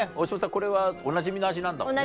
これはおなじみの味なんだもんね？